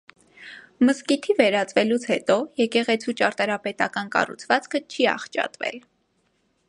Մզկիթի վերածվելուց հետո եկեղեցու ճարտարապետական կառուցվածքը չի աղճատվել։